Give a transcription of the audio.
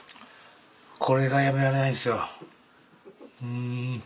これがやめられないんですよ。